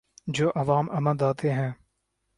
تو عوام امنڈ آتے ہیں۔